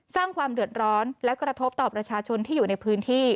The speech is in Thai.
สร้างความเดือดร้อนและกระทบต่อประชาชนที่อยู่ในพื้นที่